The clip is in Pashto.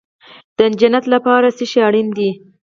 د جنت لپاره څه شی اړین دی؟